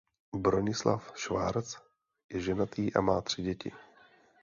Bronislav Schwarz je ženatý a má tři děti.